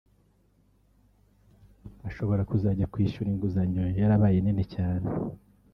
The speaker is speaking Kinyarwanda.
ashobora kuzajya kwishyura inguzanyo yarabaye nini cyane